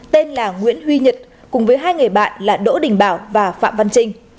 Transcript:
tên là nguyễn huy nhật cùng với hai người bạn là đỗ đình bảo và phạm văn trinh